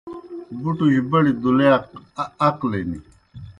بُٹُج بڑیْ دُلِیاک عقلِن